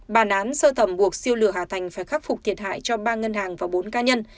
bản án sơ thẩm buộc siêu lửa hà thành phải khắc phục thiệt hại cho ba ngân hàng và bốn cá nhân